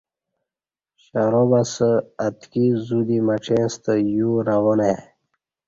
شراب اسہ اتکی زو دی مڄیں ستہ یو روان ای